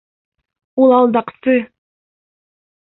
Ул алдаҡсы!